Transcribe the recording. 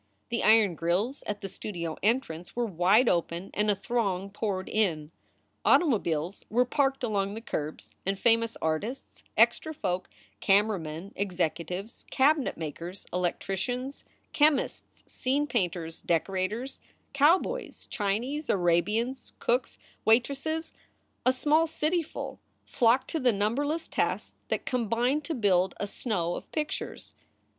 The iron grills at the studio entrance were wide open and a throng poured in. Automobiles were parked along the curbs, and famous artists, extra folk, camera men, execu tives, cabinetmakers, electricians, chemists, scene painters, decorators, cowboys, Chinese, Arabians, cooks, waitresses a small cityful flocked to the numberless tasks that com bined to build a snow of pictures.